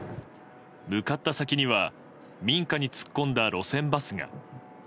向かった先には民家に突っ込んだ路線バスが。